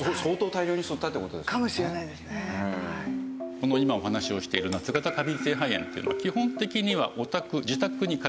この今お話をしている夏型過敏性肺炎というのは基本的にはお宅自宅にカビが生えるんですね。